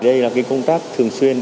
đây là công tác thường xuyên